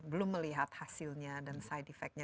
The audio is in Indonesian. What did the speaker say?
belum melihat hasilnya dan side effectnya